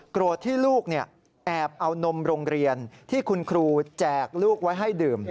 ที่ลูกแอบเอานมโรงเรียนที่คุณครูแจกลูกไว้ให้ดื่ม